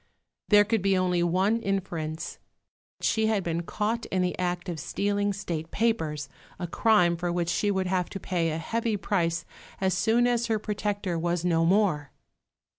There could be only one inference she had been caught in the act of stealing State papers, a crime for which she would have to pay a heavy price as soon as her protector was no more!